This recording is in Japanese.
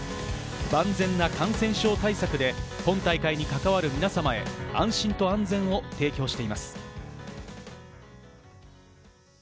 万全な感染症対策で今大会に関わる皆様へ安心と安全を提供しています。